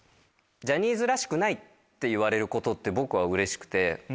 「ジャニーズらしくない」って言われること僕はうれしくて。